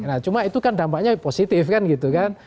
nah cuma itu kan dampaknya positif kan gitu kan